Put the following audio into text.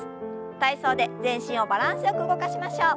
体操で全身をバランスよく動かしましょう。